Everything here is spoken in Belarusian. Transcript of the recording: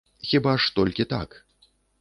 Хіба ж толькі так.